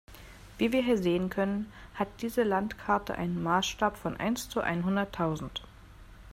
Wie wir hier sehen können, hat diese Landkarte einen Maßstab von eins zu einhunderttausend.